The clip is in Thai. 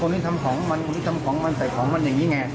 ให้ทำของมันคนนี้ทำของมันใส่ของมันอย่างนี้ไง